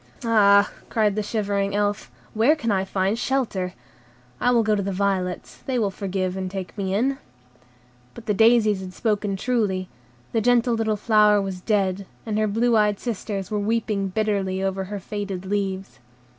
"Ah," cried the shivering Elf, "where can I find shelter? I will go to the violets: they will forgive and take me in." But the daisies had spoken truly; the gentle little flower was dead, and her blue eyed sisters were weeping bitterly over her faded leaves.